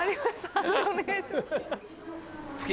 判定お願いします。